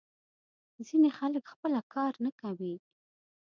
ځینې خلک خپله کار نه کوي.